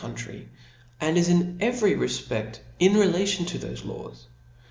4. country, and is in every refpefl: relative to thofe laws